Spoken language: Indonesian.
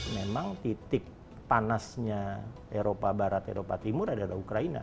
memang titik panasnya eropa barat eropa timur adalah ukraina